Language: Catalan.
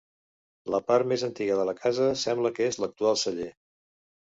La part més antiga de la casa sembla que és l'actual celler.